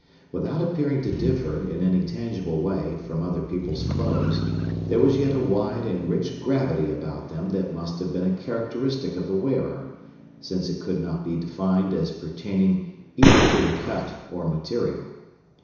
Without appearing to differ, in any tangible way, from other people's clothes, there was yet a wide and rich gravity about them that must have been a characteristic of the wearer, since it could not be defined as pertaining either to the cut or material.